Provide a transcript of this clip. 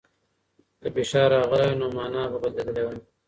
که فشار راغلی وای، نو مانا به بدلېدلې وای.